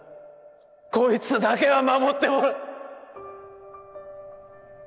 こいつだけは守って